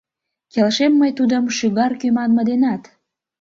Келшем мый тудым шӱгар кӱ манме денат!